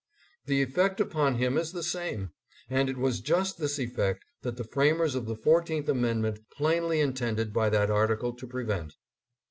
The effect upon him is the same, and it was just this effect that the framers of the Fourteenth Amendment plainly intended by that article to prevent.